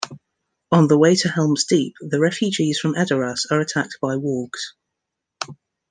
On the way to Helm's Deep, the refugees from Edoras are attacked by Wargs.